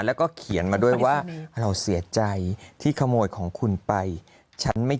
แล้วก็เขียนมาด้วยว่าเราเสียใจที่ขโมยของคุณไปฉันไม่